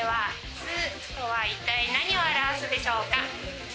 スとは一体何を表すでしょうか？